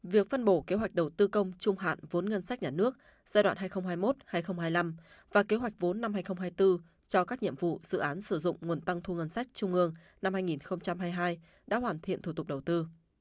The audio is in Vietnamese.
việc phân bổ kế hoạch đầu tư công trung hạn vốn ngân sách nhà nước giai đoạn hai nghìn hai mươi một hai nghìn hai mươi năm và kế hoạch vốn năm hai nghìn hai mươi bốn cho các nhiệm vụ dự án sử dụng nguồn tăng thu ngân sách trung ương năm hai nghìn hai mươi hai đã hoàn thiện thủ tục đầu tư